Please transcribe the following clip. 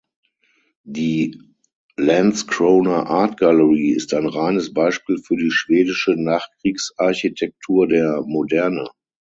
Die Landskrona Art Gallery ist ein reines Beispiel für die schwedische Nachkriegsarchitektur der Moderne.